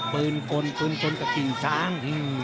ปืนกลปืนชนกับกิ่งช้าง